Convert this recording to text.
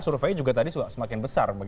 survei juga tadi semakin besar